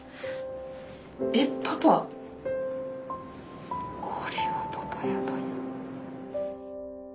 えっパパこれはパパやばい。